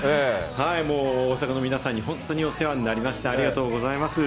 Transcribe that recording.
もう大阪の皆さんにお世話になりました、ありがとうございます。